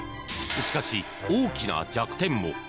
しかし、大きな弱点も。